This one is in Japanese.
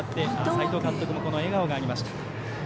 斎藤監督にも笑顔がありました。